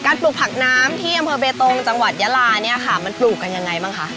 การปลูกผักน้ำที่อำเภอเบตรงจังหวัดยะลามันปลูกกันยังไงบ้างคะ